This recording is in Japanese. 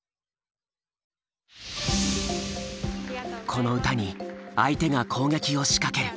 この歌に相手が攻撃を仕掛ける。